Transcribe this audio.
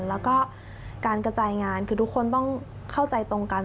แล้วก็การกระจายงานคือทุกคนต้องเข้าใจตรงกัน